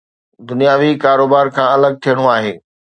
دنياوي ڪاروبار کان الڳ ٿيڻو آهي